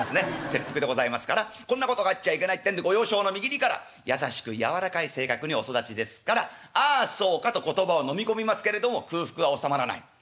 切腹でございますからこんなことがあっちゃいけないってんでご幼少のみぎりから優しく柔らかい性格にお育ちですから「ああそうか」と言葉をのみ込みますけれども空腹は収まらない。